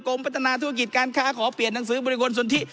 พัฒนาธุรกิจการค้าขอเปลี่ยนหนังสือบริคลสนทิ